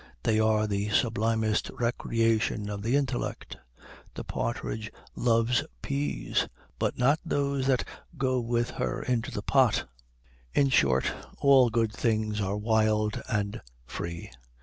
They are the sublimest recreation of the intellect. The partridge loves peas, but not those that go with her into the pot. In short, all good things are wild and free.